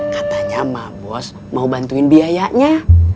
katanya ma bos mau bantuin biayanya